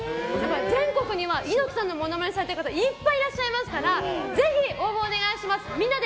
全国には猪木さんのものまねをされている方いっぱいいらっしゃいますからぜひ応募をお願いします。